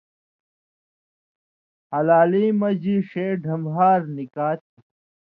ہلالیں مژ ݜے ڈھمب ہار نِکا تھی